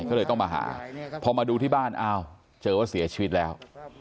ก็เลยต้องมาหาพอมาดูที่บ้านอ้าวเจอว่าเสียชีวิตแล้ว